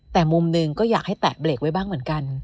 แต่มุมหนึ่งก็อยากให้แตกเเบลกว่ะ